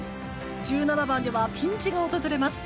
１７番ではピンチが訪れます。